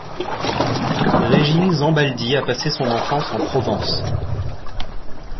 Régine Zambaldi a passé son enfance en Provence.